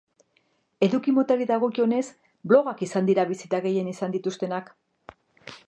Eduki motari dagokionez, blogak izan dira bisita gehien izan dituztenak.